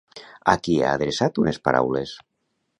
A qui ha adreçat unes paraules?